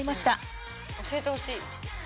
教えてほしい。